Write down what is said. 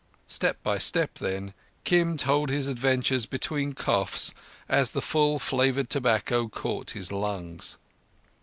Step by step then, Kim told his adventures between coughs as the full flavoured tobacco caught his lungs.